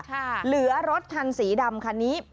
เหลือรถคันสีดำคันนี้